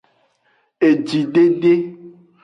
Ejidede.